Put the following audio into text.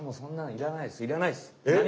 いらないです。